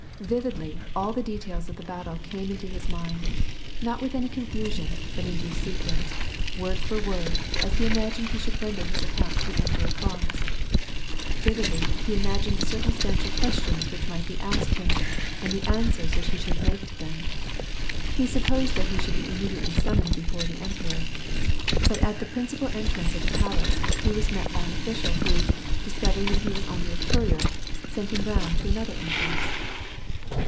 Vividly, all the details of the battle came iirto his mind, not with any confusion 'but in due sequence, word for word, as he imagined he should render his account to the Emperor Franz. Vividly he imagined the circumstantial questions which might be asked him and the answers which he should make to them ; He supposed that he should be immediately summoned before the emperor. But at the principal entrance of the palace, he was met by an official who, discovering that he was only a courier, sent him round to another ^itrance.